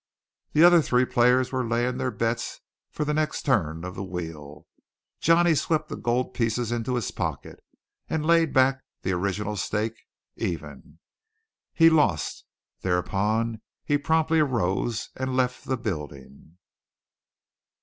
The other three players were laying their bets for the next turn of the wheel. Johnny swept the gold pieces into his pocket, and laid back the original stake against even. He lost. Thereupon he promptly arose and left the building.